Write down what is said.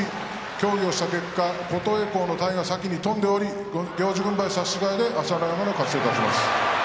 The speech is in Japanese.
協議をした結果、琴恵光の体が先に飛んでおり行司軍配差し違えで朝乃山の勝ちとします。